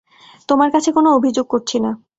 তোমার কাছে কোন অভিযোগ করছি না?